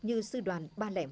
như sư đoàn ba trăm linh một